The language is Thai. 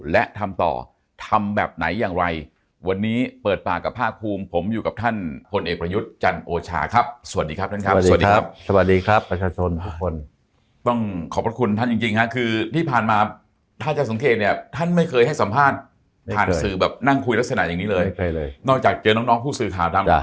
และทำต่อทำแบบไหนอย่างไรวันนี้เปิดปากกับภาคภูมิผมอยู่กับท่านพลเอกประยุทธ์จันโอชาครับสวัสดีครับท่านครับสวัสดีครับสวัสดีครับประชาชนห้าคนต้องขอบพระคุณท่านจริงจริงฮะคือที่ผ่านมาถ้าจะสังเกตเนี่ยท่านไม่เคยให้สัมภาษณ์ผ่านสื่อแบบนั่งคุยลักษณะอย่างนี้เลยนอกจากเจอน้องน้องผู้สื่อข่าวตาม